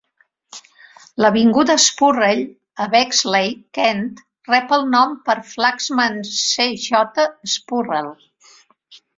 L'avinguda Spurrell, a Bexley, Kent, rep el nom per Flaxman C. J. Spurrell.